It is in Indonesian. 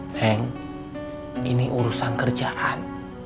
neng ini urusan kerjaan